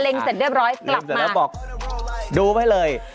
เล็งเสร็จแล้วบอกดูไว้เลย